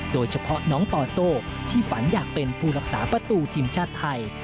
โดยเฉพาะน้องปอโต้ที่ฝันอยากเป็นผู้รักษาประตูทีมชาติไทย